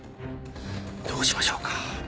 どうしましょうか。